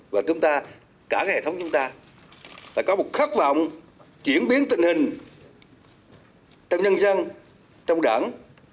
và chúng ta cả hệ thống chúng ta phải có một khát vọng chuyển biến tình hình trong nhân dân trong đảng